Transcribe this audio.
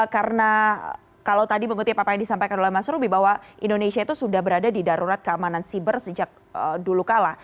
karena kalau tadi mengerti apa yang disampaikan oleh mas rubi bahwa indonesia itu sudah berada di darurat keamanan siber sejak dulu kala